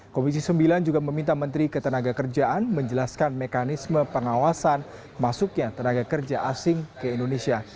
komisi sembilan juga meminta menteri ketenaga kerjaan menjelaskan mekanisme pengawasan masuknya tenaga kerja asing ke indonesia